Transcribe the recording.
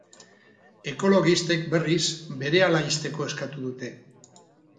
Ekologistek, berriz, berehala ixteko eskatu dute.